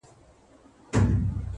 وخت د ارمانونو ازموینوونکی دی’